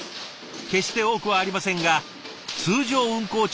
決して多くはありませんが通常運行中の作業。